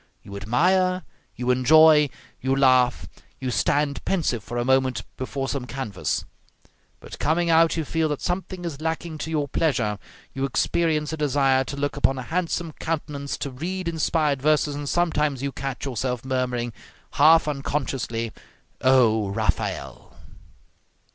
You admire, you enjoy, you laugh, you stand pensive for a moment before some canvas; but coming out, you feel that something is lacking to your pleasure, you experience a desire to look upon a handsome countenance, to read inspired verses, and sometimes you catch yourself murmuring, half unconsciously, "O Raphael!"